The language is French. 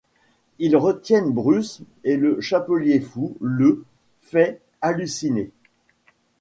Ils retiennent Bruce et le Chapelier Fou le fait halluciner.